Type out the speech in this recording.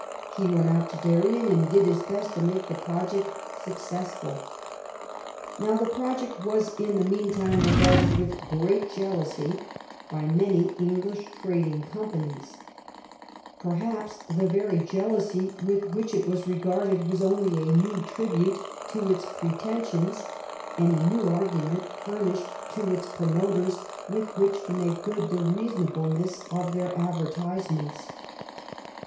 He went out to Darien and did his best to make the project successful. Now, the project was in the mean time regarded with great jealousy by many English trading com panies. Perhaps the very jealousy with which it was regarded was only a new tribute to its pretensions and a new argument furnished to its promoters with which to make good the reasonableness of their advertise ments.